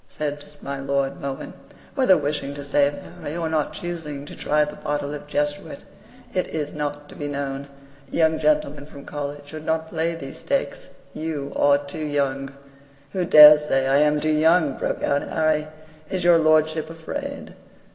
says my Lord Mohun (whether wishing to save Harry, or not choosing, to try the botte de Jesuite, it is not to be known) "Young gentlemen from college should not play these stakes. You are too young." "Who dares say I am too young?" broke out Harry. "Is your lordship afraid?"